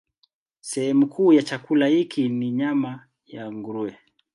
Sehemu kuu ya chakula hiki ni nyama ya nguruwe.